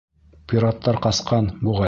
Пираттар ҡасҡан, буғай.